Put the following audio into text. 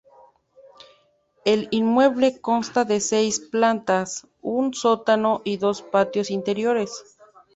El inmueble consta de seis plantas, un sótano y dos patios interiores.